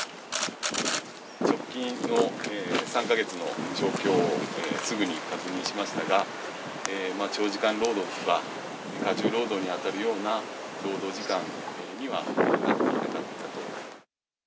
直近の３か月の状況をすぐに確認しましたが、長時間労働とか過重労働に当たるような労働時間にはなっていなかったと。